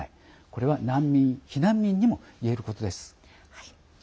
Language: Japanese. これは難民、避難民にもいえることです。